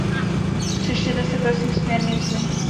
Přečtěte si prosím směrnici.